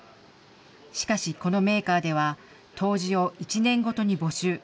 しかしこのメーカーでは、杜氏を１年ごとに募集。